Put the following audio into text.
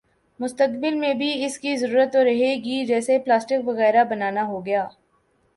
مستقبل میں بھی اس کی ضرورت تو رہے ہی گی جیسے پلاسٹک وغیرہ بنا نا ہوگیا